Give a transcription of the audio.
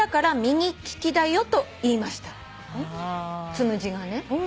つむじがね。